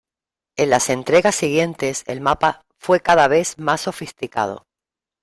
En las entregas siguientes, el mapa fue cada vez más sofisticado.